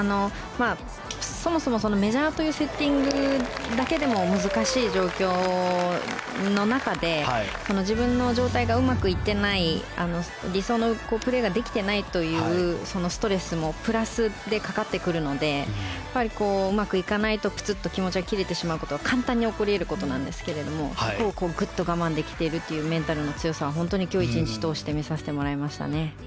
そもそも、メジャーというセッティングだけでも難しい状況の中で自分の状態がうまくいっていない理想のプレーができていないというストレスもプラスでかかってくるのでうまくいかないとプツッと気持ちが切れてしまうことが簡単に起こり得ることなんですけどぐっと我慢できているというメンタルの強さを本当に、今日１日通して見させてもらいましたね。